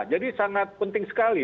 jadi sangat penting sekali